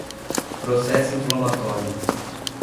Processo inflamatório